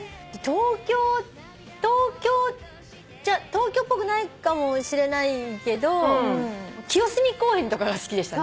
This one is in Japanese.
東京っぽくないかもしれないけど清澄公園とかが好きでしたね。